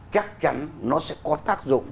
chắc chắn nó sẽ có tác dụng